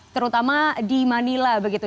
terutama di manila begitu